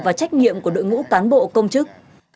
và trách nhiệm của đội ngũ cán bộ công chức